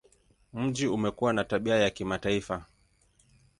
Mji umekuwa na tabia ya kimataifa.